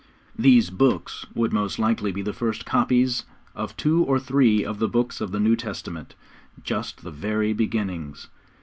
These 'books' would most likely be the first copies of two or three of the books of the New Testament, just the very beginnings.